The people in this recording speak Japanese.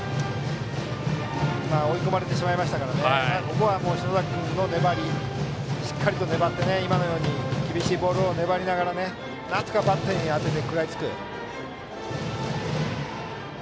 追い込まれてしまいましたから、ここはしっかりと粘って今のように厳しいボールをなんとかバットに当てて食らいつく。